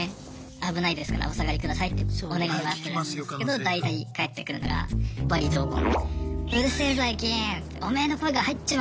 危ないですからお下がりくださいってお願いはするんですけど大体返ってくるのが罵詈雑言。